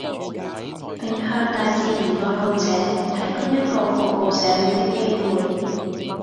並向大自然愛好者提供一個服務社會的機會